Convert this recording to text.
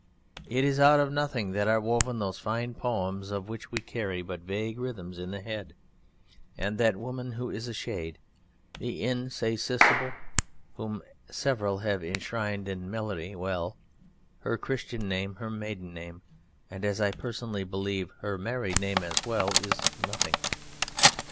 It is out of Nothing that are woven those fine poems of which we carry but vague rhythms in the head: and that Woman who is a shade, the_ Insaisissable, _whom several have enshrined in melody well, her Christian name, her maiden name, and, as I personally believe, her married name as well, is Nothing.